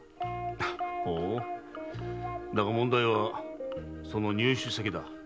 だが問題はその入手先だ。